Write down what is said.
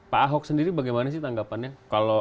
pak ahok sendiri bagaimana sih tanggapannya